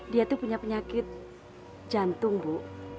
dia tuh punya penyakit jantung bu